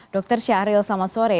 dr syahril selamat sore